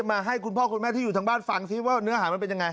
มาให้คุณพ่อคุณแม่ที่อยู่ทางบ้านฟังซิว่าเนื้อหามันเป็นยังไง